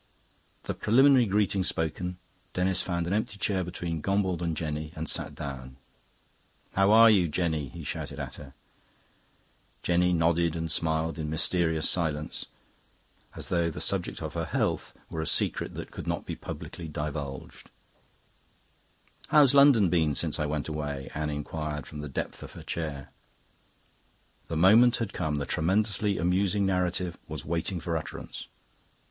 The preliminary greetings spoken, Denis found an empty chair between Gombauld and Jenny and sat down. "How are you, Jenny?" he shouted to her. Jenny nodded and smiled in mysterious silence, as though the subject of her health were a secret that could not be publicly divulged. "How's London been since I went away?" Anne inquired from the depth of her chair. The moment had come; the tremendously amusing narrative was waiting for utterance.